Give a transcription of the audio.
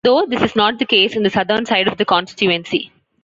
Though this is not the case in the southern side of the constituency.